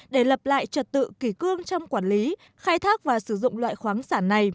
để lập lại trật tự kỷ cương trong quản lý khai thác và sử dụng loại khóa sản